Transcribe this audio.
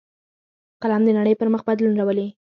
قلم د نړۍ پر مخ بدلون راولي